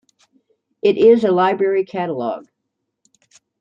It is a library catalog.